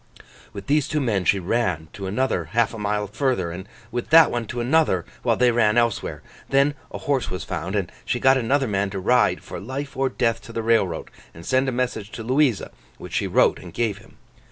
With these two men she ran to another half a mile further, and with that one to another, while they ran elsewhere. Then a horse was found; and she got another man to ride for life or death to the railroad, and send a message to Louisa, which she wrote and gave him.